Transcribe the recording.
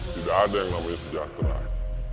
tidak ada yang namanya sejahteraan